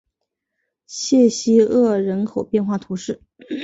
谢西厄人口变化图示